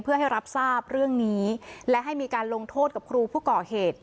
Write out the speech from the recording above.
เพื่อให้รับทราบเรื่องนี้และให้มีการลงโทษกับครูผู้ก่อเหตุ